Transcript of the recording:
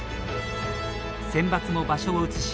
センバツも場所を移し